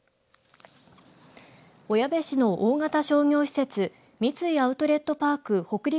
小矢部市の大型商業施設三井アウトレットパーク北陸